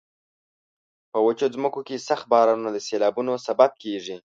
په وچو ځمکو کې سخت بارانونه د سیلابونو سبب کیږي.